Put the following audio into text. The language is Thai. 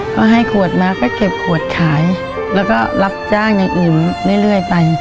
ข๊อก็ให้ขวดมาแล้วก็เก็บขวดขายแล้วก็รับจ้างยังอิ๋มเรื่อยไป